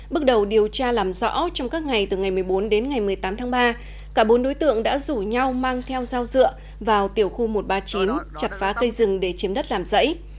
bước đầu điều tra làm rõ trong các ngày từ ngày một mươi bốn đến ngày một mươi tám tháng ba cả bốn đối tượng đã rủ nhau mang theo dao dựa vào tiểu khu một trăm ba mươi chín chặt phá cây rừng để chiếm đất làm rẫy